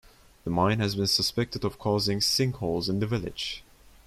The mine has been suspected of causing sinkholes in the village.